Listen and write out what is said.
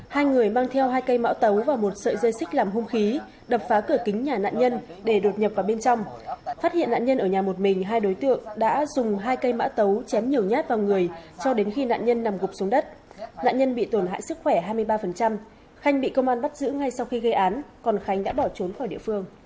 hãy đăng ký kênh để ủng hộ kênh của chúng mình nhé